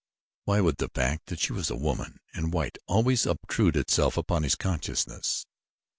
Why would the fact that she was a woman and white always obtrude itself upon his consciousness?